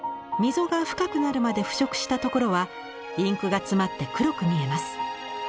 溝が深くなるまで腐食したところはインクが詰まって黒く見えます。